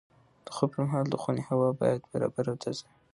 د خوب پر مهال د خونې هوا باید برابره او تازه وي.